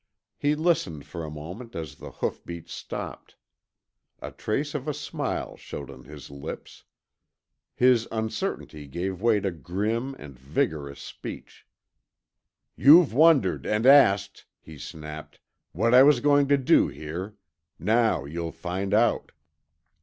He listened for a moment as the hoofbeats stopped. A trace of a smile showed on his lips. His uncertainty gave way to grim and vigorous speech. "You've wondered and asked," he snapped, "what I was going to do here. Now you'll find out."